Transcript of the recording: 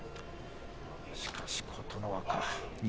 しかし琴ノ若は。